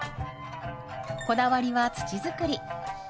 こだわりは土作り。